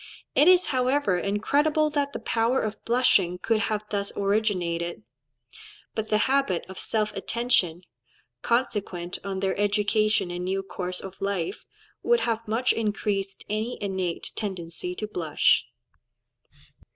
It is, however, incredible that the power of blushing could have thus originated; but the habit of self attention, consequent on their education and new course of life, would have much increased any innate tendency to blush.